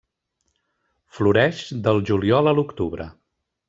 Floreix del juliol a l'octubre.